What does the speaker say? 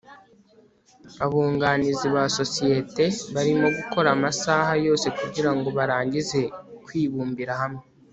abunganizi ba sosiyete barimo gukora amasaha yose kugirango barangize kwibumbira hamwe